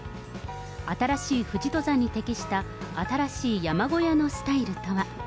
新しい富士登山に適した新しい山小屋のスタイルとは。